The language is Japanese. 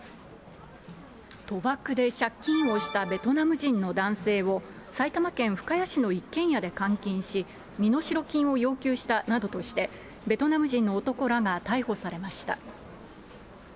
賭博で借金をしたベトナム人の男性を、埼玉県深谷市の一軒家で監禁し、身代金を要求したなどとして、ベトナム人の男らが逮捕されました。